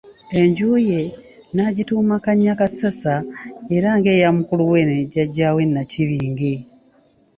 Enju ye n'agituuma Kannyakassasa era ng'eya mukulu we ne jjajjaabwe Nnakibinge.